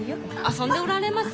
遊んでおられます？